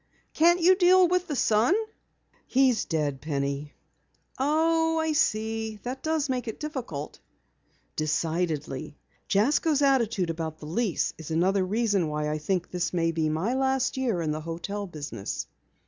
"Can't you deal with the son?" "He is dead, Penny." "Oh, I see. That does make it difficult." "Decidedly. Jasko's attitude about the lease is another reason why I think this will be my last year in the hotel business."